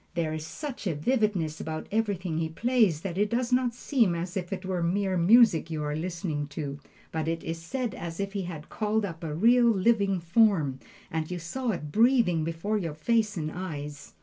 There is such a vividness about everything he plays that it does not seem as if it were mere music you are listening to, but it is as if he had called up a real, living form, and you saw it breathing before your face and eyes.